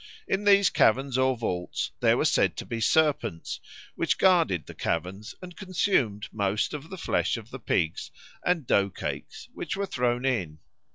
In these caverns or vaults there were said to be serpents, which guarded the caverns and consumed most of the flesh of the pigs and dough cakes which were thrown in.